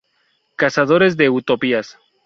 Cazadores de utopías".